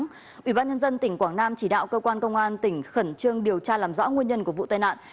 phó thủ tướng yêu cầu ủy ban nhân dân tỉnh quảng nam chỉ đạo cơ quan công an tỉnh khẩn trương điều tra làm rõ nguyên nhân của vụ tai nạn